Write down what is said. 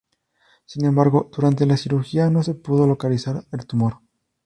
Sin embargo, durante la cirugía no se pudo localizar el tumor.